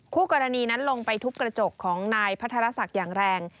คู่กรณีนั้นลงไปทุบกระจกของนายพัทรศักดิ์อย่างแรง